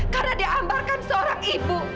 karena dihambar kan seorang ibu